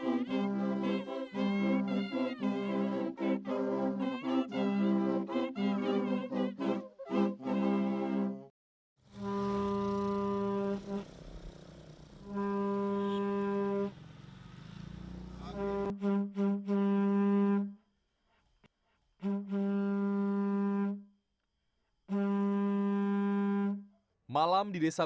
pertama suara dari biasusu